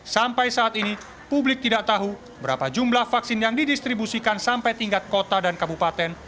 sampai saat ini publik tidak tahu berapa jumlah vaksin yang didistribusikan sampai tingkat kota dan kabupaten